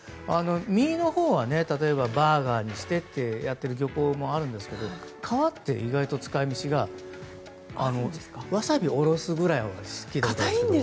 身のほうはバーガーにしてってやってる漁港もあるんですけど皮って意外と使い道がわさびをおろすぐらい。